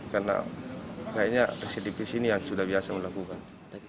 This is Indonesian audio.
karena kayaknya residipis ini yang sudah biasa melakukan